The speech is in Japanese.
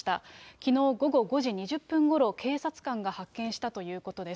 きのう午後５時２０分ごろ、警察官が発見したということです。